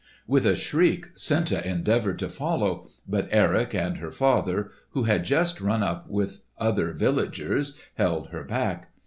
With a shriek Senta endeavoured to follow, but Erik and her father, who had just run up with other villagers, held her back.